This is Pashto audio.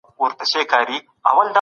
روښانه فکر اندیښنه نه خپروي.